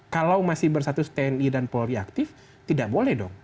kalau masih bersatus tni dan polri aktif tidak boleh dong